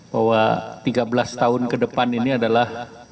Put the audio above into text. bahwa tiga belas tahun ke depan ini adalah